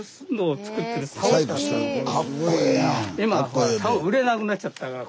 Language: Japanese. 今さお売れなくなっちゃったから。